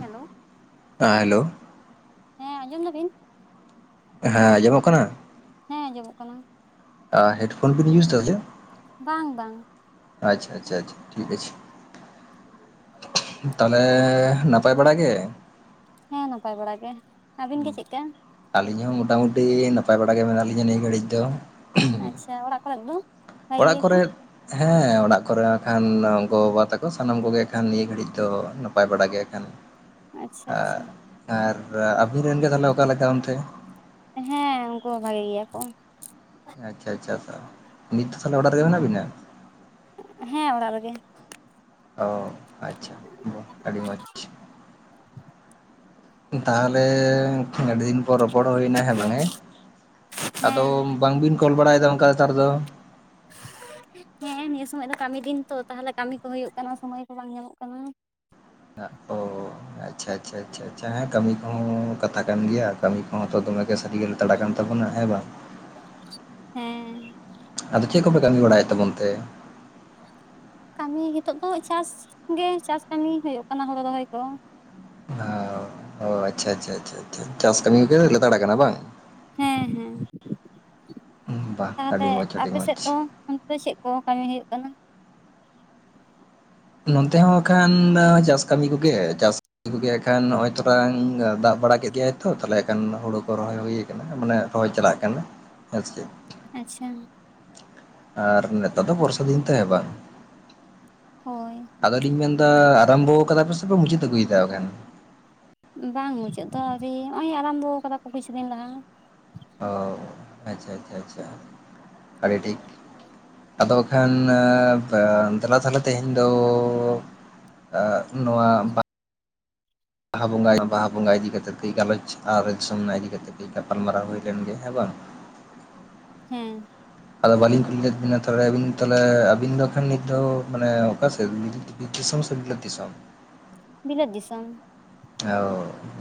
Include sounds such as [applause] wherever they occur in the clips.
Hello ᱦᱮᱸ hello [inaudible] ᱦᱮᱸ ᱟᱸᱡᱚᱢ ᱫᱟᱵᱤᱱ? ᱦᱮᱸ ᱟᱸᱡᱚᱢᱚᱜ ᱠᱟᱱᱟ? ᱦᱮᱸ ᱟᱸᱡᱚᱢᱚᱜ ᱠᱟᱱᱟ᱾ ᱚ ᱦᱮᱰᱯᱷᱳᱱ ᱵᱤᱱ ᱤᱭᱩᱥ ᱫᱟᱥᱮ? ᱵᱟᱝ ᱵᱟᱝ ᱟᱪᱪᱷᱟ ᱟᱪᱪᱷᱟ ᱴᱷᱤᱠ ᱟᱪᱷᱮ ᱛᱟᱦᱚᱞᱮ ᱱᱟᱯᱟᱭ ᱵᱟᱲᱟ ᱜᱮ ᱦᱮᱸ ᱱᱟᱯᱟᱭ ᱵᱟᱲᱟ ᱜᱮ ᱟᱹᱵᱤᱱ ᱜᱮ ᱪᱮᱫᱠᱟ ᱟᱹᱞᱤᱧ ᱦᱚᱸ ᱢᱚᱴᱟᱢᱩᱴᱤ ᱱᱟᱯᱟᱭ ᱵᱟᱲᱟᱟᱜᱮ ᱢᱮᱱᱟᱜ ᱞᱤᱧᱟᱹ ᱱᱤᱭᱟᱹ ᱜᱷᱟᱹᱲᱤᱡ ᱫᱚ᱾ ᱟᱪᱪᱷᱟ ᱚᱲᱟᱜ ᱠᱚ ᱞᱟᱹᱜᱤᱫ ᱫᱚ ᱵᱷᱟᱜᱮ ᱚᱲᱟᱜ ᱜᱮᱭᱟᱠᱚ ᱠᱚᱨᱮ ᱦᱮᱸ ᱚᱲᱟᱜ ᱠᱚᱨᱮᱜ ᱠᱷᱟᱱ ᱜᱚ ᱵᱟᱵᱟ ᱛᱟᱠᱚ ᱥᱟᱱᱟᱢ ᱠᱚᱜᱮ ᱠᱷᱟᱱ ᱱᱤᱭᱟᱹ ᱜᱷᱟᱹᱲᱤᱡ ᱫᱚ ᱱᱟᱯᱟᱭ ᱵᱟᱲᱟ ᱜᱮ ᱮᱠᱷᱟᱱ᱾ [inaudible] ᱟᱪᱪᱷᱟ ᱟᱪᱪᱷᱟ ᱟᱨ ᱟᱵᱤᱱ ᱨᱮᱱ ᱜᱮ ᱛᱟᱦᱚᱞᱮ ᱚᱠᱟ ᱞᱮᱠᱟ ᱚᱱᱛᱮ ᱦᱮᱸ ᱩᱱᱠᱩ ᱦᱚᱸ ᱵᱷᱟᱜᱮ ᱜᱮᱭᱟ ᱠᱚ ᱟᱪᱪᱷᱟ ᱟᱪᱪᱷᱟ ᱱᱤᱛ ᱫᱚ ᱛᱟᱦᱞᱮ ᱚᱲᱟᱜ ᱨᱮᱜᱮ ᱢᱮᱱᱟᱜ ᱵᱤᱱᱟ ᱦᱮᱸ ᱚᱲᱟᱜ ᱨᱮᱜᱮ ᱚ ᱟᱪᱪᱷᱟ ᱟᱹᱰᱤ ᱢᱚᱡᱽ ᱛᱟᱦᱚᱞᱮ ᱟᱹᱰᱤ ᱫᱤᱱ ᱯᱚᱨ ᱨᱚᱯᱚᱲ ᱦᱩᱭᱮᱱᱟ ᱦᱮᱸ ᱵᱟᱝ ᱮ ᱟᱫᱚ ᱦᱮᱸ ᱵᱟᱝᱵᱤᱱ ᱠᱚᱞ ᱵᱟᱲᱟᱭᱮᱫᱟ ᱚᱱᱠᱟ ᱱᱮᱛᱟᱨ ᱫᱚ ᱦᱮᱸ ᱱᱤᱭᱟᱹ ᱥᱚᱢᱚᱭ ᱫᱚ ᱠᱟᱹᱢᱤ ᱫᱤᱱ ᱛᱚ ᱛᱟᱦᱚᱞᱮ ᱠᱟᱹᱢᱤ ᱠᱚ ᱦᱩᱭᱩᱜ ᱠᱟᱱᱟ ᱥᱚᱢᱚᱭ ᱠᱚ ᱵᱟᱝ ᱧᱟᱢᱚᱜ ᱠᱟᱱᱟ᱾ [unintelligible] ᱟᱪᱪᱷᱟ ᱟᱪᱪᱷᱟ ᱟᱪᱷᱟ ᱦᱮᱸ ᱠᱟᱹᱢᱤ ᱠᱚᱦᱚᱸ ᱠᱟᱛᱷᱟ ᱠᱟᱱ ᱜᱮᱭᱟ ᱠᱟᱹᱢᱤ ᱠᱚᱦᱚᱸ ᱛᱚ ᱫᱚᱢᱮ ᱥᱟᱹᱨᱤ ᱜᱮ ᱛᱟᱲᱟ ᱠᱟᱱ ᱛᱟᱵᱚᱱᱟ ᱦᱮᱸ ᱵᱟᱝ ᱦᱮᱸ ᱟᱫᱚ ᱪᱮᱫ ᱠᱚᱯᱮ ᱠᱟᱹᱢᱤ ᱵᱟᱲᱟᱭᱮᱫ ᱛᱟᱵᱚᱱ ᱛᱮ? ᱠᱟᱹᱢᱤ ᱱᱤᱛᱚᱜ ᱫᱚ ᱪᱟᱥ ᱜᱮ ᱪᱟᱥ ᱠᱟᱹᱢᱤ ᱦᱩᱭᱩᱜ ᱠᱟᱱᱟ ᱦᱩᱲᱳ ᱨᱚᱦᱚᱭ ᱠᱚ᱾ ᱚ ᱚ ᱟᱪᱪᱷᱟ ᱟᱪᱪᱷᱟ ᱟᱪᱪᱷᱟᱷᱟ ᱪᱟᱥ ᱠᱟᱹᱢᱤ ᱠᱚᱜᱮ ᱞᱛᱟᱲ ᱟᱠᱟᱱᱟ ᱵᱟᱝ ᱦᱮᱸ ᱦᱮᱸ ᱵᱟ ᱟᱹᱰᱤ ᱛᱟᱦᱚᱞᱮ ᱢᱚᱡᱽ ᱟᱹᱰᱤ ᱢᱚᱡᱽ ᱟᱯᱮᱥᱮᱫ ᱫᱚ? ᱚᱱᱛᱮ ᱫᱚ ᱪᱮᱫ ᱠᱚ ᱠᱟᱹᱢᱤ ᱦᱩᱭᱩᱜ ᱠᱟᱱᱟ ᱱᱚᱱᱛᱮ ᱦᱚᱸ ᱵᱟᱠᱷᱟᱱ ᱫᱚ ᱪᱟᱥ ᱠᱟᱹᱢᱤ ᱠᱚᱜᱮ ᱪᱟᱥ ᱜᱮ ᱠᱷᱟᱱ ᱱᱚᱜᱚᱭ ᱛᱚᱴᱟ ᱫᱟᱜ ᱵᱟᱲᱟ ᱠᱮᱫ ᱜᱮᱭᱟᱭ ᱛᱚ ᱛᱟᱦᱮ ᱮᱠᱷᱟᱱ ᱦᱳᱲᱩ ᱠᱚ ᱨᱚᱦᱚᱭ ᱦᱩᱭ ᱟᱠᱟᱱᱟ᱾ ᱢᱟᱱᱮ ᱨᱚᱦᱚᱭ ᱪᱟᱞᱟᱜ ᱠᱟᱱᱟ ᱦᱮᱸ ᱥᱮᱪᱮᱼᱼ ᱟᱪᱪᱷᱟ ᱟᱨ ᱱᱮᱛᱟᱨ ᱫᱚ ᱵᱚᱨᱥᱟ ᱫᱤᱱ ᱛᱮ ᱵᱟᱝ ᱦᱳᱭ ᱟᱫᱚᱞᱤᱧ ᱢᱮᱱᱫᱟ ᱟᱨᱟᱢᱵᱷᱚᱣ ᱟᱠᱟᱫᱟ ᱯᱮ ᱥᱮᱯᱮ ᱢᱩᱪᱟᱹᱫ ᱟᱹᱜᱩᱭᱮᱫᱟ ᱠᱷᱟᱱ ᱵᱟᱝ ᱢᱩᱪᱟᱹᱫ ᱫᱚ ᱟᱹᱣᱨᱤ ᱱᱚᱜ-ᱚᱭ ᱟᱨᱟᱢᱵᱚ ᱟᱠᱟᱫᱟ ᱠᱚ ᱠᱤᱪᱷᱩ ᱫᱤᱱ ᱞᱟᱦᱟ᱾ ᱚ ᱟᱪᱪᱷᱟ ᱟᱪᱪᱷᱟ ᱟᱪᱪᱷᱟ ᱟᱹᱰᱤ ᱴᱷᱤᱠ᱾ ᱟᱫᱚ ᱠᱷᱟᱱ ᱫᱮᱞᱟ ᱛᱟᱦᱚᱞᱮ ᱛᱮᱦᱮᱧ ᱫᱚ ᱟᱦ ᱱᱚᱣᱟ ᱵᱟᱦᱟ ᱵᱚᱸᱜᱟᱟᱭ ᱵᱟᱦᱟ ᱵᱚᱸᱜᱟ ᱤᱫᱤ ᱠᱟᱛᱮ ᱠᱟᱹᱡ ᱜᱟᱞᱚᱪ ᱟᱨ ᱡᱚᱢᱱᱟ ᱤᱫᱤ ᱠᱟᱛᱮ ᱠᱟᱹᱡ ᱜᱟᱯᱟᱞᱢᱟᱨᱟᱣ ᱦᱩᱭ ᱞᱮᱱᱜᱮ ᱦᱮᱸ ᱵᱟᱝ ᱦᱮᱸ ᱟᱫᱚ ᱵᱟᱞᱤᱧ ᱠᱩᱞᱤ ᱞᱮᱫ ᱵᱤᱱᱟ ᱛᱟᱦᱚᱞᱮ ᱛᱟᱦᱮ ᱟᱹᱵᱤᱱ ᱫᱚ ᱠᱷᱟᱱ ᱱᱤᱛ ᱫᱚ ᱢᱟᱱᱮ ᱚᱠᱟᱥᱮᱫ ᱫᱤᱥᱚᱢ [unintelligible] ᱜᱮᱞᱮ ᱫᱤᱥ ᱫᱤᱥᱚᱢ ᱵᱤᱞᱟᱹᱫ ᱫᱤᱥᱚᱢ ᱚ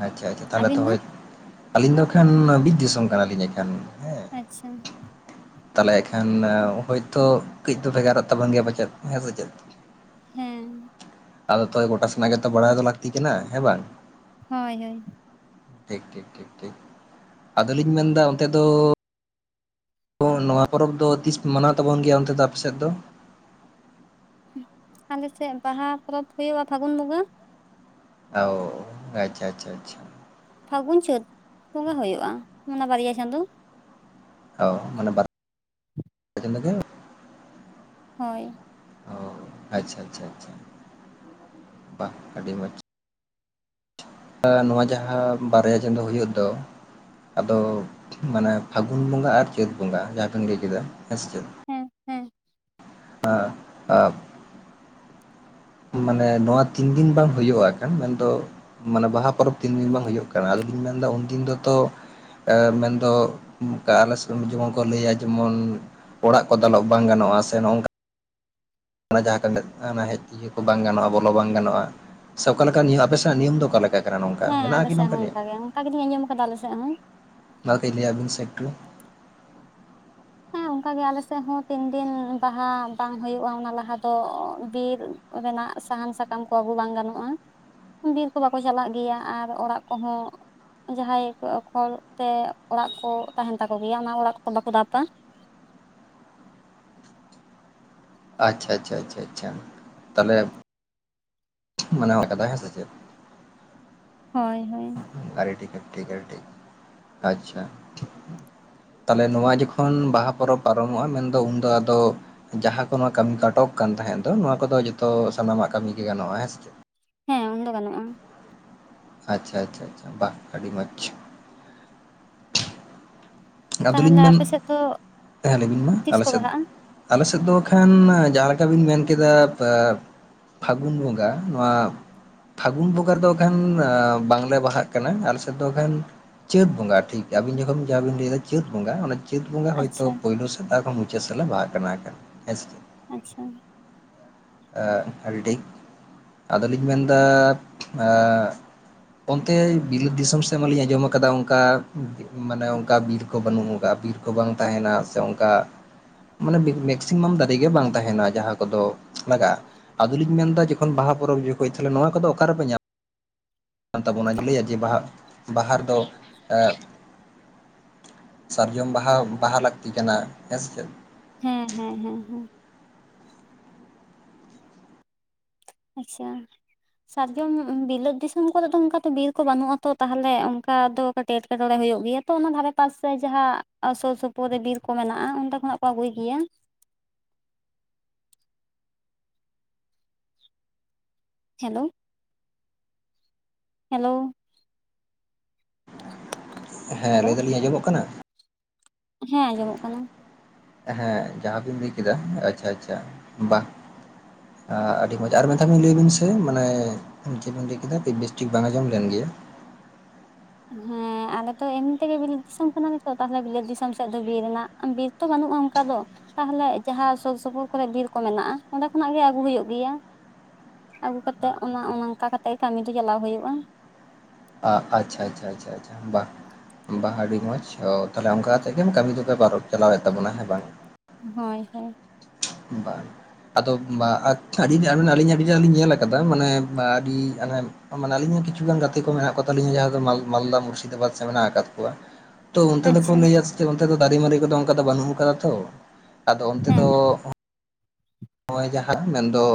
ᱟᱪᱪᱷᱟ ᱟᱪᱪᱷᱟ ᱛᱟᱦᱚᱞᱮ ᱟᱹᱵᱤᱱ ᱫᱚ ᱫᱚᱦᱚᱭ ᱟᱹᱞᱤᱧ ᱫᱚ ᱮᱠᱷᱟᱱ ᱵᱤᱫᱽ ᱫᱤᱥᱚᱢ ᱠᱟᱱᱟᱞᱤᱧ ᱮᱱᱠᱷᱟᱱ ᱦᱮᱸ ᱟᱪᱪᱷᱟ ᱛᱟᱦᱞᱮ ᱮᱠᱷᱟᱱ ᱦᱚᱳᱭᱛᱳ ᱠᱟᱹᱡ ᱫᱚ ᱵᱷᱮᱜᱟᱨᱚᱜ ᱛᱟᱵᱚᱱ ᱜᱮᱭᱟ ᱯᱟᱪᱮᱫ ᱦᱮᱸ ᱥᱮ ᱪᱮᱫ ᱦᱮᱸ ᱟᱫᱚ ᱛᱚᱵᱮ ᱜᱚᱴᱟ ᱥᱮᱱᱟᱜ ᱜᱮᱛᱚ ᱵᱟᱲᱟᱭ ᱫᱚ ᱞᱟᱹᱠᱛᱤ ᱠᱟᱱᱟ ᱦᱮᱸ ᱵᱟᱝ ᱦᱳᱭ ᱦᱳᱭ ᱴᱷᱤᱠ ᱴᱷᱤᱠ ᱴᱷᱤᱠ ᱟᱫᱚᱞᱤᱧ ᱢᱮᱱᱫᱟ ᱚᱱᱛᱮ ᱫᱚ ᱛᱚ ᱱᱚᱣᱟ ᱯᱚᱨᱚᱵᱽ ᱫᱚ ᱛᱤᱥ ᱢᱟᱱᱟᱣ ᱛᱟᱵᱚᱱ ᱜᱮᱭᱟ ᱚᱱᱛᱮ ᱫᱚ ᱟᱯᱮᱥᱮᱫ ᱫᱚ? ᱟᱞᱮ ᱥᱮᱫ ᱵᱟᱦᱟ ᱯᱚᱨᱚᱵ ᱦᱩᱭᱩᱜᱼᱟ ᱯᱷᱟᱜᱩᱱ ᱵᱚᱸᱜᱟ᱾ ᱚ ᱟᱪᱪᱷᱟ ᱟᱪᱪᱷᱟ ᱟᱪᱪᱷᱟ ᱯᱷᱟᱹᱜᱩᱱ ᱪᱟᱹᱛ ᱠᱚᱝᱜᱟ ᱦᱩᱭᱩᱜᱼᱟ ᱚᱱᱟ ᱵᱟᱨᱭᱟ ᱪᱟᱸᱫᱚ᱾ ᱚ ᱢᱟᱱᱮ ᱦᱳᱭ ᱚ ᱟᱪᱪᱷᱟ ᱟᱪᱪᱷᱟ ᱟᱪᱪᱷᱟ ᱟᱹᱰᱤ ᱢᱚᱡᱽ ᱱᱚᱣᱟ ᱡᱟᱦᱟᱸ ᱵᱟᱨᱭᱟ ᱪᱟᱸᱫᱚ ᱦᱩᱭᱩᱜ ᱫᱚ ᱟᱫᱚ ᱢᱟᱱᱮ ᱯᱷᱟᱹᱜᱩᱱ ᱵᱚᱸᱜᱟ ᱟᱨ ᱪᱟᱹᱛ ᱵᱚᱸᱜᱟ᱾ ᱡᱟᱦᱟᱸ ᱠᱚᱧ ᱞᱟᱹᱭ ᱠᱮᱫᱟ ᱦᱮᱸ ᱥᱮ ᱪᱮᱫ ᱦᱮᱸ ᱦᱮᱸ ᱟ ᱢᱟᱱᱮ ᱱᱚᱣᱟ ᱛᱤᱱ ᱫᱤᱱ ᱵᱟᱝ ᱦᱩᱭᱩᱜ ᱠᱟᱱ ᱢᱮᱱᱫᱚ ᱢᱟᱱᱮ ᱵᱟᱦᱟ ᱯᱚᱨᱚᱵᱽ ᱛᱤᱱ ᱫᱤᱱ ᱵᱟᱝ ᱦᱩᱭᱩᱜ ᱠᱟᱱᱟ? ᱟᱞᱤᱧ ᱢᱮᱱᱫᱟ ᱩᱱᱫᱤᱱ ᱫᱚᱛᱚ᱾ ᱢᱮᱱᱫᱚ ᱚᱱᱠᱟ ᱟᱞᱮ ᱥᱮᱫ ᱡᱮᱢᱚᱱ ᱠᱚ ᱞᱟᱹᱭᱟ ᱡᱮᱢᱚᱱ ᱚᱲᱟᱜ ᱠᱚ ᱫᱟᱞᱚᱵ ᱵᱟᱝ ᱜᱟᱱᱚᱜᱼᱟ ᱥᱮ ᱱᱚᱝᱠᱟ ᱚᱱᱟ ᱡᱟᱦᱟᱸ ᱢᱮ ᱦᱮᱡ ᱤᱭᱟᱹ ᱠᱚ ᱵᱟᱝ ᱜᱟᱱᱚᱜᱼᱟ ᱵᱚᱞᱚ ᱵᱟᱝ ᱜᱟᱱᱚᱜᱼᱟ ᱥᱮ ᱚᱠᱟᱮ ᱱᱤᱭᱚᱢ ᱟᱯᱮ ᱥᱮᱱᱟᱜ ᱱᱤᱭᱚᱢ ᱫᱚ ᱚᱠᱟ ᱞᱮᱠᱟ? ᱦᱮᱸ ᱟᱞᱮᱥᱮᱫ ᱦᱚᱸ ᱚᱱᱠᱟ ᱜᱮ ᱚᱱᱠᱟ ᱜᱮᱞᱤᱧ ᱟᱸᱡᱚᱢ ᱟᱠᱟᱫᱟ ᱟᱞᱮᱥᱮᱫ ᱦᱚᱸ᱾ ᱚᱱᱟ ᱜᱮ ᱞᱟᱹᱭᱟ ᱵᱤᱱ ᱥᱮᱠᱴ ᱦᱮᱸ ᱚᱱᱠᱟᱜ ᱜᱮ ᱟᱞᱮ ᱥᱮᱫ ᱦᱚᱸ ᱛᱤᱱ ᱫᱤᱱ ᱵᱟᱦᱟ ᱵᱟᱝ ᱦᱩᱭᱩᱜᱼᱟ᱾ ᱚᱱᱟ ᱞᱟᱦᱟ ᱫᱚ ᱵᱤᱨ ᱚᱰᱮᱱᱟᱜ ᱥᱟᱦᱟᱱ ᱥᱟᱠᱟᱢ ᱠᱚ ᱟᱹᱜᱩ ᱵᱟᱝ ᱜᱟᱱᱚᱜᱼᱟ᱾ ᱵᱤᱨ ᱠᱚ ᱵᱟᱠᱚ ᱪᱟᱞᱟᱜ ᱜᱮᱭᱟ ᱟᱨ ᱚᱲᱟᱜ ᱠᱚᱦᱚᱸ ᱡᱟᱦᱟᱸᱭ ᱠᱷᱚᱲ ᱛᱮ ᱚᱲᱟᱜ ᱠᱚ ᱛᱟᱦᱮᱱ ᱛᱟᱠᱚ ᱜᱮᱭᱟ ᱚᱱᱟ ᱚᱲᱟᱜ ᱠᱚ ᱵᱟᱠᱚ ᱫᱟᱞᱵᱟ ᱟᱪᱪᱷᱟ ᱟᱪᱪᱷᱟ ᱟᱪᱪᱷᱟ ᱟᱪᱪᱷᱟ ᱛᱟᱦᱚᱞᱮ ᱢᱟᱱᱟᱣ ᱚᱠᱟᱫᱟ ᱦᱮ ᱥᱮ ᱪᱮᱫ ᱦᱳᱭ ᱦᱳᱭ ᱟᱵᱤ ᱴᱷᱤᱠ ᱴᱷᱤᱠ ᱴᱷᱤᱠ ᱟᱪᱪᱷᱟ ᱴᱷᱤᱠ ᱛᱟᱦᱞᱮ ᱱᱚᱣᱟ ᱡᱚᱠᱷᱚᱱ ᱵᱟᱦᱟ ᱯᱚᱨᱚᱵᱽ ᱯᱟᱨᱚᱢᱚᱜᱼᱟ ᱢᱮᱱᱫᱚ ᱩᱱᱫᱚ ᱟᱫᱚ ᱡᱟᱦᱟᱸ ᱠᱚ ᱱᱚᱣᱟ ᱠᱟᱹᱢᱤ ᱟᱴᱚᱠ ᱠᱟᱱ ᱛᱟᱦᱮᱸᱫ ᱫᱚ ᱱᱚᱣᱟ ᱠᱚᱫᱚ ᱡᱚᱛᱚ ᱥᱟᱱᱟᱢᱟᱜ ᱠᱟᱹᱢᱤᱜᱮ ᱜᱟᱱᱚᱜᱼᱟ ᱦᱮᱸᱥᱮ ᱦᱮᱸ ᱩᱱᱫᱚ ᱜᱟᱱᱚᱜᱼᱟ ᱟᱪᱪᱷᱟ ᱟᱪᱪᱷᱟ ᱟᱪᱪᱷᱟ ᱵᱟ ᱟᱹᱰᱤ ᱢᱚᱡᱽ ᱟᱫᱚᱞᱤᱧ ᱛᱟᱦᱚᱞᱮ ᱢᱮᱱ ᱟᱯᱮ ᱥᱮᱫ ᱫᱚ ᱛᱟᱦᱮ ᱞᱤᱧ ᱛᱤᱥ ᱟᱞᱮ ᱠᱚ ᱥᱮᱫ ᱵᱟᱦᱟᱜᱼᱟ ᱟᱞᱮ ᱥᱮᱫ ᱫᱚ ᱠᱷᱟᱱ ᱡᱟᱦᱟᱸ ᱞᱮᱠᱟ ᱵᱮᱱ ᱢᱮᱱ ᱠᱮᱫᱟ᱾ ᱯᱷᱟᱹᱜᱩᱱ ᱵᱚᱸᱜᱟ ᱱᱚᱣᱟ᱾ ᱯᱷᱟᱹᱜᱩᱱ ᱵᱚᱸᱜᱟ ᱫᱚ ᱮᱠᱷᱟᱱ ᱵᱟᱝᱞᱮ ᱵᱟᱦᱟᱜ ᱠᱟᱱᱟ ᱟᱞ ᱥᱮᱫ ᱫᱚᱠᱷᱟᱱ ᱪᱟᱹᱛ ᱵᱚᱸᱜᱟ ᱴᱷᱤᱠ ᱟᱵᱤᱱ ᱡᱚᱠᱷᱚᱱ ᱡᱟᱦᱟᱸᱟ ᱵᱤᱱ ᱞᱟᱹᱭᱮᱫᱟ᱾ ᱪᱟᱹᱛ ᱵᱚᱸᱜᱟ ᱚᱱᱟ ᱪᱟᱹᱛ ᱵᱚᱸᱜᱟ ᱦᱚᱭᱛᱳ ᱟᱪᱪᱷᱟ ᱯᱳᱭᱞᱳ ᱥᱮᱛᱟᱜ ᱠᱷᱚᱱ ᱢᱩᱪᱟᱹᱫ ᱥᱟᱞᱟᱜ ᱵᱟᱦᱟᱜ ᱠᱟᱱᱟ ᱠᱟᱱᱟ ᱦᱮᱸᱥᱮᱼᱼ ᱟᱪᱪᱷᱟ ᱮ ᱟᱹᱰᱤ ᱴᱤᱠ ᱟᱫᱚᱞᱤᱧ ᱢᱮᱱ ᱮᱫᱟ [inaudible] ᱚᱱᱛᱮ ᱵᱤᱞᱟᱹᱛ ᱫᱤᱥᱚᱢ ᱥᱮᱫ ᱢᱟᱞᱤᱧ ᱟᱸᱡᱚᱢ ᱟᱠᱟᱫᱟ ᱚᱱᱠᱟ ᱢᱟᱱᱮ ᱚᱱᱠᱟ ᱵᱤᱨ ᱠᱚ ᱵᱟᱹᱱᱩᱜ ᱠᱟᱜᱼᱟ ᱵᱤᱨ ᱠᱚ ᱵᱟᱝ ᱛᱟᱦᱮᱱᱟ ᱥᱮ ᱚᱱᱠᱟ ᱢᱟᱱᱮ ᱢᱮᱠᱥᱤᱢᱟᱢ ᱫᱟᱨᱮᱜ ᱜᱮ ᱵᱟᱝ ᱛᱟᱦᱮᱱᱟ ᱡᱟᱦᱟᱸ ᱠᱚᱫᱚ ᱞᱟᱜᱟᱜᱼᱟ ᱟᱫᱚᱞᱤᱧ ᱢᱮᱱᱫᱟ ᱡᱚᱠᱷᱚᱱ ᱵᱟᱦᱟ ᱯᱚᱨᱚᱵ ᱡᱚᱠᱷᱚᱡ ᱛᱟᱦᱚᱞ ᱱᱚᱣᱟ ᱠᱚ ᱚᱠᱟᱨᱮ ᱞᱮ ᱧᱟᱢᱟ ᱠᱟᱱ ᱛᱟᱵᱚᱱᱟ ᱞᱟᱹᱭᱟ ᱡᱮ ᱵᱟᱦᱟ ᱵᱟᱦᱟ ᱨᱮ ᱫᱚ- ᱮᱸ ᱥᱟᱨᱡᱚᱢ ᱵᱟᱦᱟ ᱵᱟᱦᱟ ᱞᱟᱹᱠᱛᱤ ᱠᱟᱱᱟ ᱦᱮᱸ ᱥᱮ ᱪᱮᱫ᱾ ᱦᱮᱸ ᱦᱮᱸ ᱦᱮᱸ ᱦᱮᱸ ᱟᱪᱪᱷᱟ ᱥᱟᱨᱡᱚᱢ ᱵᱤᱞᱟᱹᱛ ᱫᱤᱥᱚᱢ ᱠᱚᱨᱮ ᱫᱚ ᱚᱱᱠᱟ ᱵᱤᱨ ᱠᱚ ᱵᱟᱹᱱᱩᱜ ᱟᱛᱚ ᱛᱟᱦᱚᱞᱮ ᱚᱱᱠᱟ ᱫᱚ᱾ ᱠᱟᱹᱴ ᱮᱴᱠᱮᱴᱚᱬᱮ ᱦᱩᱭᱩᱜ ᱜᱮᱭᱟ ᱛᱚ ᱚᱱᱟ ᱫᱷᱟᱨᱮ ᱛᱟᱥᱮ ᱡᱟᱦᱟᱸ ᱥᱩᱨ ᱥᱩᱯᱩᱨ ᱨᱮ ᱵᱤᱨ ᱠᱚ ᱢᱮᱱᱟᱜᱼᱟ ᱚᱱᱰᱮ ᱠᱷᱚᱱᱟᱜ ᱠᱚ ᱟᱹᱜᱩᱭ ᱜᱮᱭᱟ᱾ ᱦᱮᱞᱳ ᱦᱮᱞᱳᱻ [inaudible] ᱦᱮᱸ ᱦᱮᱞᱳ ᱞᱟᱹᱭ ᱫᱟᱞᱤᱧ ᱟᱸᱡᱚᱢᱚᱜ ᱠᱟᱱᱟ ᱦᱮᱸ ᱟᱸᱡᱚᱢᱚᱜ ᱠᱟᱱᱟ ᱦᱮᱸ ᱡᱟᱦᱟ ᱵᱤᱱ ᱞᱟᱹᱭ ᱠᱮᱫᱟ ᱟᱪᱷᱟ ᱟᱪᱷᱟ ᱵᱟᱝ ᱟᱸ ᱟᱹᱰᱤ ᱢᱚᱡᱽ ᱟᱨ ᱢᱮᱫ ᱫᱷᱟᱣ ᱞᱟᱹᱭ ᱵᱤᱱ ᱥᱮ ᱢᱟᱱᱮ ᱪᱮᱫ ᱮᱢ ᱞᱟᱹᱭ ᱠᱮᱫᱟ ᱱᱤᱛ ᱵᱮᱥᱴᱷᱤᱠ ᱵᱟᱝ ᱟᱸᱡᱚᱢ ᱞᱮᱱ ᱜᱮᱭᱟ ᱦᱮᱸ ᱟᱞᱮ ᱛᱚ ᱮᱢᱱᱤ ᱛᱮᱜᱮ ᱵᱤᱞᱟᱹᱛ ᱫᱤᱥᱚᱢ ᱠᱟᱱᱟ ᱞᱮᱛᱚ ᱛᱟᱦᱚᱞᱮ ᱵᱤᱞᱟᱹᱛ ᱫᱤᱥᱚᱢ ᱥᱮᱫ ᱫᱚ ᱵᱤᱨ ᱨᱮᱱᱟᱜ ᱟᱸ ᱵᱮᱥ ᱛᱚ ᱵᱟᱹᱱᱩᱜᱼᱟ ᱚᱱᱠᱟ ᱫᱚ ᱛᱟᱦᱚᱞᱮ ᱡᱟᱦᱟᱸ ᱥᱩᱨ ᱥᱩᱯᱩᱨ ᱠᱚᱨᱮᱜ ᱵᱤᱨ ᱠᱚ ᱢᱮᱱᱟᱜᱼᱟ ᱚᱸᱰᱮ ᱠᱷᱚᱱᱟᱜ ᱜᱮ ᱟᱹᱜᱩ ᱦᱩᱭᱩᱜ ᱜᱮᱭᱟ ᱟᱹᱜᱩ ᱠᱟᱛᱮᱜ ᱚᱱᱟ ᱚᱱᱠᱟ ᱠᱟᱛᱮᱜ ᱠᱟᱹᱢᱤ ᱫᱚ ᱪᱟᱞᱟᱣ ᱦᱩᱭᱩᱜᱼᱟ᱾ ᱟᱸ ᱟᱪᱪᱷᱟ ᱟᱪᱪᱷᱟ ᱟᱪᱪᱷᱟ ᱟᱪᱪᱷᱟ ᱵᱟᱦ ᱵᱟᱦ ᱟᱹᱰᱤ ᱢᱚᱸᱡᱽ ᱚ ᱛᱟᱦᱚᱞᱮ ᱚᱱᱠᱟ ᱛᱮᱜᱮᱢ ᱠᱟᱹᱢᱤ ᱫᱚ ᱯᱮ ᱯᱟᱨᱚᱢ ᱪᱟᱞᱟᱣᱮᱫ ᱛᱟᱵᱚᱱᱟ ᱦᱮᱸ ᱵᱟᱝ ᱦᱳᱭ ᱦᱳᱭ ᱵᱟᱝ ᱟᱫᱚ ᱢᱟ ᱟᱪᱪᱷᱟ ᱟᱹᱰᱤ ᱜᱮ [unintelligible] ᱟᱹᱞᱤᱧ ᱟᱹᱰᱤ ᱱᱟᱜ ᱞᱤᱧ ᱧᱮᱞ ᱟᱠᱟᱫᱟ ᱢᱟᱱᱮ ᱟᱸ ᱟᱹᱰᱤ ᱟᱱᱮ ᱢᱟᱱᱮ ᱟᱹᱞᱤᱧ ᱦᱚᱸ ᱠᱤᱪᱷᱩᱜᱟᱱ ᱜᱟᱛᱮ ᱠᱚ ᱢᱮᱱᱟᱜ ᱠᱚ ᱛᱟᱞᱤᱧᱟ ᱡᱟᱦᱟᱸ ᱫᱚ ᱢᱟᱞ ᱢᱟᱞᱫᱟ ᱢᱩᱨᱥᱤᱫᱟᱵᱟᱫᱽ ᱥᱮᱫ ᱢᱮᱱᱟᱜ ᱟᱠᱟᱫ ᱠᱚᱣᱟ᱾ ᱛᱚ ᱚᱱᱛᱮ ᱫᱚᱠᱚ ᱟᱪᱪᱷᱟ ᱞᱟᱹᱭᱟ ᱥᱮᱪᱮᱫ ᱚᱱᱛᱮ ᱫᱚ ᱫᱟᱨᱮᱢᱟᱨᱤ ᱠᱚᱫᱚ ᱚᱱᱠᱟ ᱫᱚ ᱵᱟᱹᱱᱩᱜ ᱠᱟᱫᱟ ᱛᱚ ᱟᱫᱚ ᱚᱱᱛᱮ ᱦᱮᱸ ᱫᱚ ᱱᱚᱜᱼᱚᱭ ᱡᱟᱦᱟᱸ ᱢᱮᱱᱫᱚ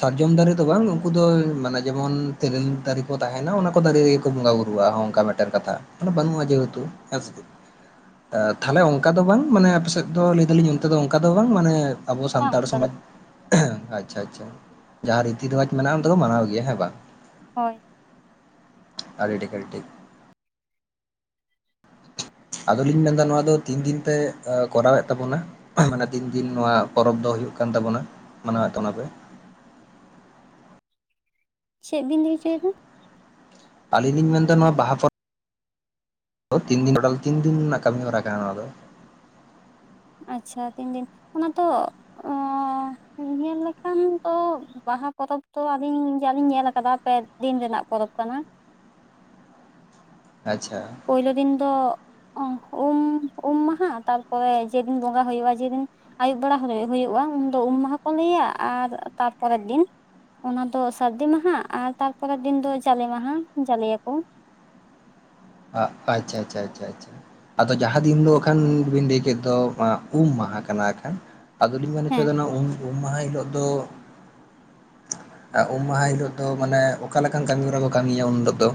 ᱥᱟᱨᱡᱚᱢ ᱫᱟᱨᱤ ᱫᱚ ᱵᱟᱝ ᱩᱱᱠᱚ ᱫᱚ ᱢᱟᱱᱮ ᱡᱮᱢᱚᱱ ᱛᱤᱨᱤᱞ ᱫᱟᱨᱤ ᱠᱩ ᱛᱟᱦᱮᱱᱟ ᱚᱱᱟ ᱠᱩ ᱫᱟᱨᱤ ᱠᱩ ᱵᱚᱝᱜᱟ ᱵᱩᱨᱩ ᱟ ᱚᱱᱠᱟ ᱢᱤᱫᱴᱮᱱ ᱠᱟᱛᱷᱟ ᱵᱟᱹᱱᱩᱜᱼᱟ ᱡᱮ ᱦᱮᱛᱩ ᱦᱮᱥᱮ ᱛᱟᱦᱚᱞᱮ ᱚᱱᱠᱟ ᱫᱚ ᱵᱟᱝ ᱢᱟᱱᱮ ᱟᱯᱮᱥᱮᱫ ᱫᱚ ᱞᱟᱹᱭ ᱫᱟᱞᱤᱧ ᱛᱚ ᱚᱱᱠᱟ ᱫᱚ ᱵᱟᱝ ᱢᱟᱱᱮ ᱟᱵᱚ ᱵᱟᱝ ᱥᱟᱱᱛᱟᱲ ᱚᱱᱠᱟ ᱫᱚ ᱥᱚᱢᱟᱡᱽ ᱵᱟᱝ ᱟᱪᱷᱟ ᱟᱪᱷᱟ ᱡᱟᱦᱟᱸ ᱨᱤᱛᱤ ᱨᱮᱣᱟᱡ ᱢᱮᱱᱟᱜᱼᱟ ᱚᱱᱟ ᱫᱚᱠᱚ ᱢᱟᱱᱟᱣ ᱜᱮᱭᱟ ᱦᱮᱸ ᱵᱟᱝ ᱦᱳᱭ [inaudible] ᱟᱹᱰᱤ ᱴᱷᱤᱠ ᱟᱹᱰᱤ ᱴᱷᱤᱠ ᱟᱫᱚᱞᱤᱧ ᱢᱮᱱᱫᱟ ᱱᱚᱣᱟ ᱫᱚ ᱛᱤᱱᱫᱤᱱ ᱛᱮ ᱠᱚᱨᱟᱣᱮᱫ ᱛᱟᱵᱚᱱᱟ ᱢᱟᱱᱮ ᱫᱤᱱ ᱫᱤᱱ ᱱᱚᱣᱟ ᱯᱚᱨᱚᱵᱽ ᱫᱚ ᱦᱩᱭᱩᱜ ᱠᱟᱱ ᱛᱟᱵᱚᱱᱟ ᱢᱟᱱᱟᱣᱮᱫ ᱛᱟᱵᱚᱱᱟᱯᱮ ᱪᱮᱫ ᱵᱤᱱ ᱞᱟᱹᱭ ᱦᱚᱪᱚᱭᱮᱫᱟ ᱟᱞᱤᱧ ᱞᱤᱧ ᱢᱮᱱ ᱮᱫᱟ ᱱᱚᱣᱟ ᱵᱟᱦᱟ ᱯᱚᱨᱽ [unintelligible] ᱛᱤᱱ ᱫᱤᱱ ᱴᱳᱴᱟᱞ ᱛᱤᱱ ᱫᱤᱱ ᱨᱮᱱᱟᱜ ᱠᱟᱹᱢᱤ ᱦᱚᱨᱟ ᱠᱟᱱᱟ ᱱᱚᱣᱟ ᱫᱚ ᱟᱪᱷᱟ ᱛᱤᱱᱫᱤᱱ ᱚᱱᱟ ᱛᱚ ᱚᱸᱼᱧᱮᱞ ᱞᱮᱠᱷᱟᱱ ᱫᱚ ᱵᱟᱦᱟ ᱯᱚᱨᱚᱵᱽ ᱛᱚ ᱟᱹᱞᱤᱧ ᱡᱟ ᱞᱤᱧ ᱧᱮᱞ ᱟᱠᱟᱫᱟ ᱯᱮ ᱫᱤᱱ ᱨᱮᱱᱟᱜ ᱯᱚᱨᱚᱵᱽ ᱠᱟᱱᱟ ᱟᱪᱪᱷᱟ ᱯᱩᱭᱞᱳ ᱫᱤᱱ ᱫᱚ ᱩᱢ ᱩᱢ ᱢᱟᱦᱟ ᱛᱟᱨᱯᱚᱨᱮ ᱡᱮᱫᱤᱱ ᱵᱚᱸᱜᱟ ᱦᱩᱭᱩᱜᱼᱟ ᱡᱮᱫᱤᱱ ᱟᱹᱭᱩᱵ ᱵᱮᱲᱟ ᱦᱩᱭᱩᱜᱼᱟ ᱩᱱᱫᱚ ᱩᱢ ᱢᱟᱦᱟ ᱠᱚ ᱞᱟᱹᱭᱟ ᱟᱨ ᱛᱟᱨᱯᱚᱨᱮ ᱫᱤᱱ ᱚᱱᱟ ᱫᱚ ᱥᱟᱹᱨᱫᱤ ᱢᱟᱦᱟ ᱟᱨ ᱛᱟᱨᱯᱚᱨᱮ ᱫᱤᱱ ᱫᱚ ᱡᱟᱞᱮ ᱢᱟᱦᱟ ᱡᱟᱞᱮᱭᱟ ᱠᱚ ᱟᱸ ᱟᱪᱪᱷᱟ ᱟᱪᱪᱷᱟ ᱟᱪᱪᱷᱟ ᱟᱪᱪᱷᱟ ᱟᱫᱚ ᱡᱟᱦᱟᱸ ᱫᱤᱱ ᱫᱚ ᱟᱠᱷᱟᱱ ᱵᱮᱱ ᱞᱟᱹᱭ ᱠᱮᱫ ᱫᱚ ᱟᱸᱜ ᱩᱢ ᱢᱟᱦᱟ ᱠᱟᱱᱟ ᱮᱠᱷᱟᱱ ᱟᱫᱚᱞᱤᱧ ᱢᱮᱱ ᱦᱮᱸ ᱦᱚᱪᱚᱭᱫᱟ ᱱᱚᱣᱟ ᱩ ᱩᱢ ᱢᱟᱦᱟ ᱦᱤᱞᱳᱜ ᱫᱚᱼᱼ ᱟᱨ ᱩᱢ ᱢᱟᱦᱟ ᱦᱤᱞᱳᱜ ᱫᱚ ᱢᱟᱱᱮ ᱚᱠᱟ ᱞᱮᱠᱟᱱ ᱠᱟᱹᱢᱤ ᱦᱚᱨᱟ ᱠᱚ ᱠᱟᱹᱢᱤᱭᱟ ᱩᱱ ᱦᱤᱞᱳᱜ ᱫᱚ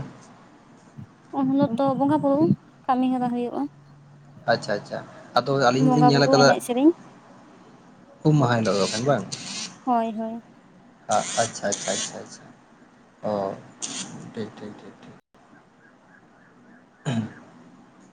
ᱩᱱ ᱦᱤᱞᱳᱜ ᱫᱚ ᱵᱚᱸᱜᱟ ᱵᱩᱨᱩ ᱠᱟᱹᱢᱤ ᱦᱚᱨᱟ ᱦᱩᱭᱩᱜᱼᱟ ᱟᱪᱪᱷᱟ ᱟᱪᱪᱷᱟ ᱟᱫᱚ ᱟᱹᱞᱤᱧ ᱞᱤᱧ ᱵᱚᱸᱜᱟ ᱧᱮᱞ ᱵᱩᱨᱩ ᱟᱠᱟᱫᱟ ᱮᱱᱮᱡ ᱥᱮᱨᱮᱧ ᱩᱢ ᱢᱟᱦᱟ ᱦᱤᱞᱳᱜ ᱫᱚ ᱠᱷᱟᱱ ᱵᱟᱝ ᱦᱳᱭ ᱦᱳᱭ ᱟᱪᱪᱷᱟ ᱟᱪᱪᱷᱟ ᱟᱪᱪᱷᱟ ᱚᱦ ᱛᱷᱤᱠ ᱛᱷᱤᱠ ᱛᱷᱤᱠ [inaudible]